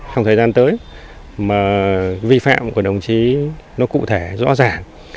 trong thời gian tới mà vi phạm của đồng chí nó cụ thể rõ ràng